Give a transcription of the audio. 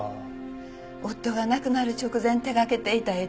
夫が亡くなる直前手掛けていた絵です。